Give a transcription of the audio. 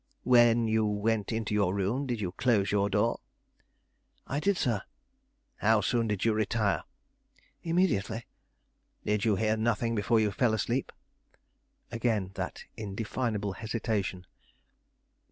"When you went into your room did you close your door?" "I did, sir." "How soon did you retire?" "Immediately." "Did you hear nothing before you fell asleep?" Again that indefinable hesitation.